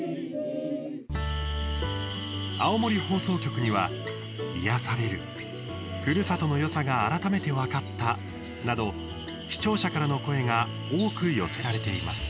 青森放送局には、癒やされるふるさとのよさが改めて分かったなど、視聴者からの声が多く寄せられています。